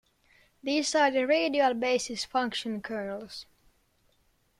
These are the radial basis function kernels.